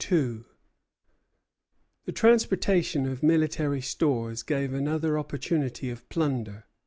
The transportation of military stores gave another opportunity of plunder.